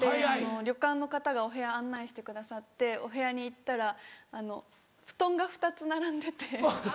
旅館の方がお部屋案内してくださってお部屋に行ったら布団が２つ並んでて。